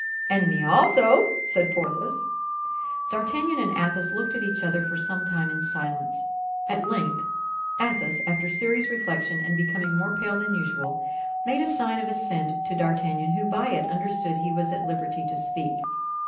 "And me also," said Porthos. D'Artagnan and Athos looked at each other for some time in silence. At length Athos, after serious reflection and becoming more pale than usual, made a sign of assent to D'Artagnan, who by it understood he was at liberty to speak.